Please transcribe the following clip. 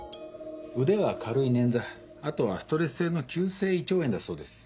腕は軽い捻挫あとはストレス性の急性胃腸炎だそうです。